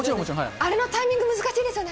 あれのタイミング難しいですよね。